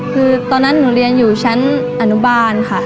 คือตอนนั้นหนูเรียนอยู่ชั้นอนุบาลค่ะ